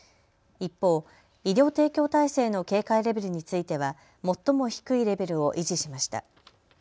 一方、医療提供体制の警戒レベルについては最も低いレベルを維持しました。